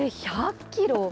１００キロ。